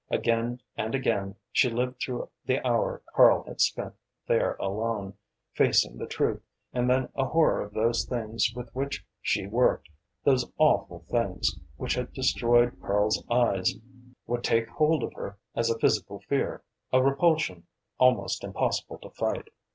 Again and again she lived through the hour Karl had spent there alone, facing the truth, and then a horror of those things with which she worked, those awful things which had destroyed Karl's eyes, would take hold of her as a physical fear, a repulsion, almost impossible to fight.